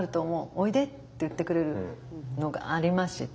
おいでって言ってくれるのがありました。